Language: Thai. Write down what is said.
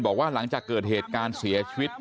บอกว่าหลังจากเกิดเหตุการณ์เสียชีวิต